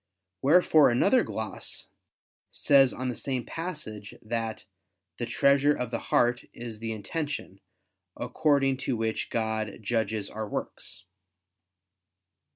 Wherefore another gloss says on the same passage that "the treasure of the heart is the intention, according to which God judges our works."